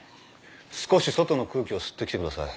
少し外の空気を吸ってきてください。